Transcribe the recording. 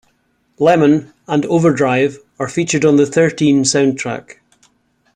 "Lemon" and "Overdrive" are featured on the "Thirteen" soundtrack.